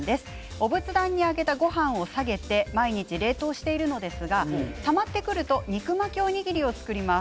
お仏壇に上げたごはんを下げて毎日、冷凍しているのですがたまってくると肉巻きおにぎりを作ります。